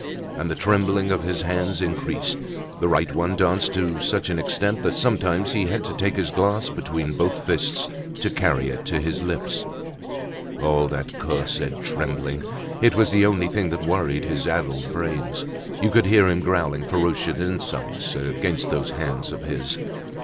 And the trembling of his hands increased, the right one danced to such an extent, that sometimes he had to take his glass between both fists to carry it to his lips. Oh! that cursed trembling! It was the only thing that worried his addled brains. You could hear him growling ferocious insults against those hands of his.